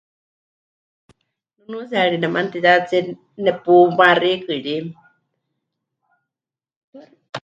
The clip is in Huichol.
Nunuutsiyari nemanutiyatsie nepumaxikɨrí.